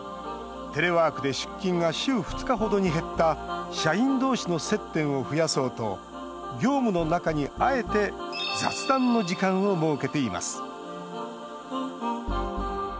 テレワークで出勤が週２日ほどに減った社員同士の接点を増やそうと業務の中にあえて雑談の時間を設けています